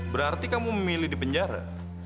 berarti kamu memilih di penjara